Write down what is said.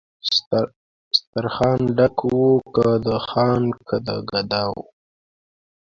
سترخان ډک و که د خان که د ګدا وو